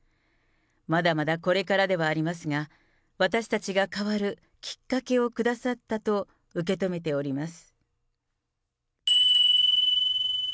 まだまだこれからではありますが、私たちが変わるきっかけをくださったと受け止めております。